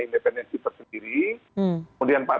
independensi tersendiri kemudian pak